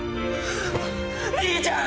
兄ちゃん！